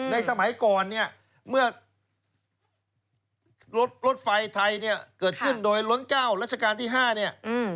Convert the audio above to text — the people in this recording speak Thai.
ในสมัยก่อนเมื่อรถไฟไทยเกิดขึ้นโดยล้นเก้ารัชกาลที่๕